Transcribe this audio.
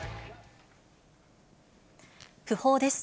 訃報です。